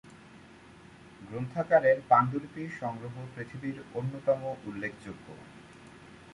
গ্রন্থাগারের পাণ্ডুলিপি সংগ্রহ পৃথিবীর অন্যতম উল্লেখযোগ্য।